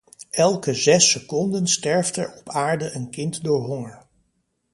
Elke zes seconden sterft er op aarde een kind door honger.